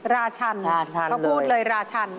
ราชันเขาพูดเลยราชัน